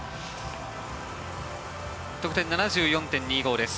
得点は７４．２５です。